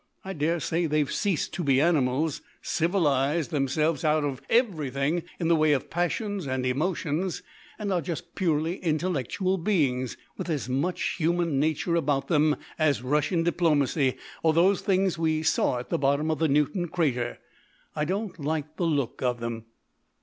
I daresay they've ceased to be animals civilised themselves out of everything in the way of passions and emotions, and are just purely intellectual beings, with as much human nature about them as Russian diplomacy or those things we saw at the bottom of the Newton Crater. I don't like the look of them."